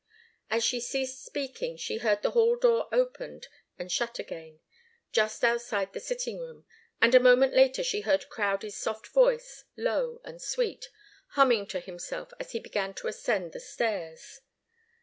As she ceased speaking she heard the hall door opened and shut again, just outside the sitting room, and a moment later she heard Crowdie's soft voice, low and sweet, humming to himself as he began to ascend the stairs.